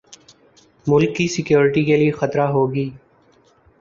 ملک کی سیکیورٹی کے لیے خطرہ ہوگی